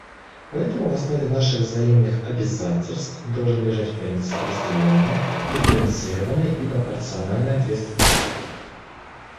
Поэтому в основе наших взаимных обязательств должен лежать принцип разделенной, дифференцированной и пропорциональной ответственности.